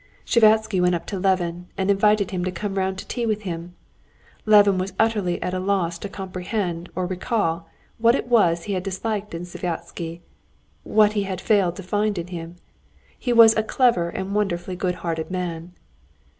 Sviazhsky went up to Levin and invited him to come round to tea with him. Levin was utterly at a loss to comprehend or recall what it was he had disliked in Sviazhsky, what he had failed to find in him. He was a clever and wonderfully good hearted man.